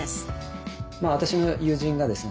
私の友人がですね